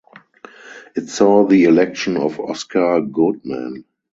It saw the election of Oscar Goodman.